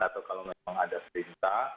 atau kalau memang ada perintah